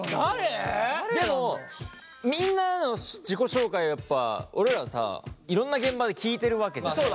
でもみんなの自己紹介やっぱ俺らさいろんな現場で聞いてるわけじゃん。